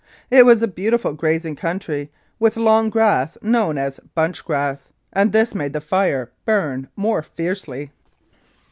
It was a beautiful grazing country with long grass known as " bunch grass," and this made the fire burn more fiercely.